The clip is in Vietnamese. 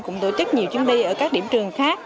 cũng tổ chức nhiều chuyến đi ở các điểm trường khác